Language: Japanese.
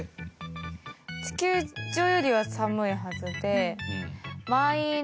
地球上よりは寒いはずで。